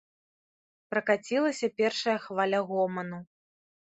Пракацілася першая хваля гоману.